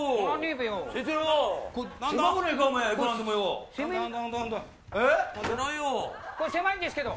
部屋が狭いんですけど。